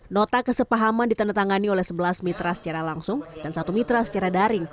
nota kesepahaman ditandatangani oleh sebelas mitra secara langsung dan satu mitra secara daring